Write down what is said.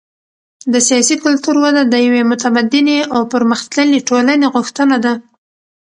د سیاسي کلتور وده د یوې متمدنې او پرمختللې ټولنې غوښتنه ده.